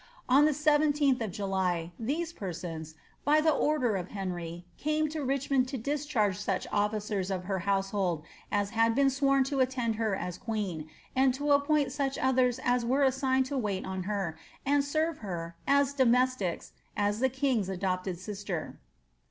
On the 17th of July, these persons, by the order of Henry, came to Richmond to discharge such officers of her household as had been sworn to attend her as queeo, and to appoint such others as were assigned to wait on her, and serve her, as domestics, as the king^s adopted sister.